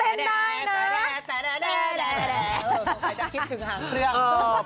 ไปตั้งคลิปถึงฮัง